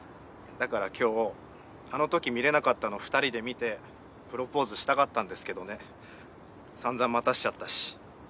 だから今日あの時見れなかったの２人で見てプロポーズしたかったんですけどね散々待たせちゃったし。